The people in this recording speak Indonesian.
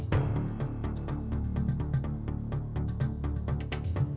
kok baunya fast